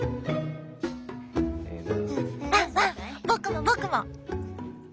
僕も僕も！